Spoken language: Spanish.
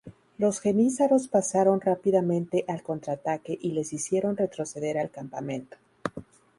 Los jenízaros pasaron rápidamente al contraataque y les hicieron retroceder al campamento.